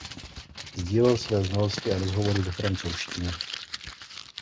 Sdílel své znalosti a rozhovory ve francouzštině.